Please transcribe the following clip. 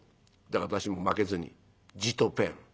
だから私も負けずにじとぺん」。